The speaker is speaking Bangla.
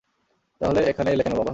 তাহলে এখানে কেন এলে, বাবা?